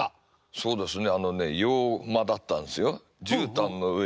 そうですね。